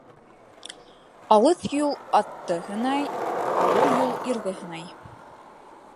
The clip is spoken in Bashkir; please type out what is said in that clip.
Алыҫ юл атты һынай, ауыр юл ирҙе һынай.